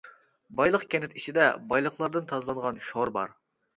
بايلىقى كەنت ئىچىدە بايلىقلاردىن تازىلانغان شور بار.